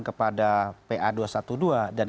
kepada pa dua ratus dua belas dan